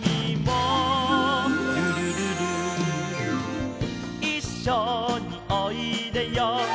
「ルルルル」「いっしょにおいでよ」